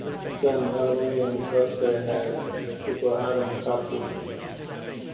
Certain aluminium clusters have superatom properties.